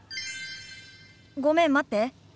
ごめん待って。